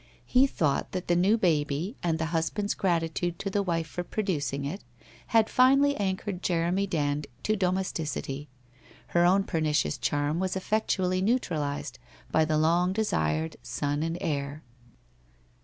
He thought that the new baby, and the husband's gratitude to the wife for producing it, had finally anchored Jeremy Band to domesticity. Her own pernicious charm was effectually neutralized by the long desired son and heir.